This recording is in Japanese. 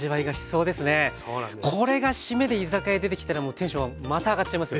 これが締めで居酒屋で出てきたらもうテンションまた上がっちゃいますよ。